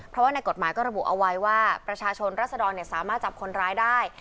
เพราะว่าในกฎหมายก็ระบุเอาไว้ว่าประชาชนรัศดรสามารถจับคนร้ายได้